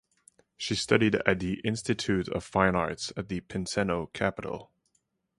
She studied at the Institute of Fine Arts in the Piceno capital.